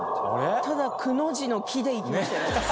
ただくの字の木で行きましたよ。